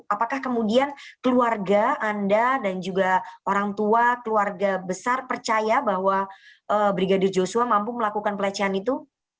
apakah kemudian keluarga anda dan juga orang tua keluarga besar percaya bahwa brigadir joshua mampu melakukan pelecehan itu